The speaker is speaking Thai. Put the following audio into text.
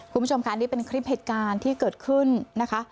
คุณผู้ชมค่ะนี่เป็นคลิปเหตุการณ์ที่เกิดขึ้นนะคะ